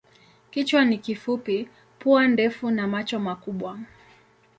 Kichwa ni kifupi, pua ndefu na macho makubwa.